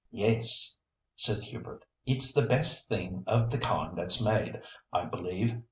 "Yes," said Hubert. "It's the best thing of the kind that's made, I believe.